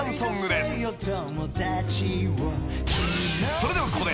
［それではここで］